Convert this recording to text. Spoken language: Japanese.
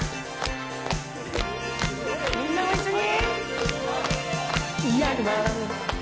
みんなも一緒に！